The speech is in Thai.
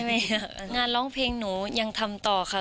งานร้องเพลงหนูยังทำต่อค่ะ